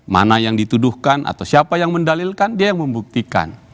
mana yang dituduhkan atau siapa yang mendalilkan dia yang membuktikan